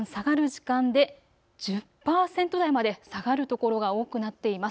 湿度はいちばん下がる時間で１０％台まで下がるところが多くなっています。